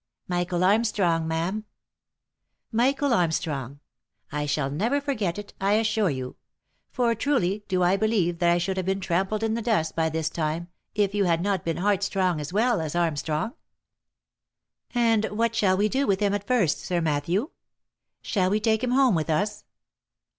" Michael Armstrong, ma'am." " Michael Armstrong : I shall not forget it, I assure you ; for truly do I believe that I should have been trampled in the dust by this time, if you had not been heart strong as well as Armstrong. And what shall we do with him at first, Sir Matthew ? Shall we take him home with us